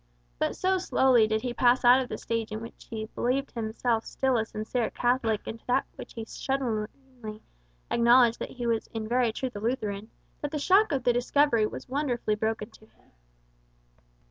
But so slowly did he pass out of the stage in which he believed himself still a sincere Catholic into that in which he shudderingly acknowledged that he was in very truth a Lutheran, that the shock of the discovery was wonderfully broken to him.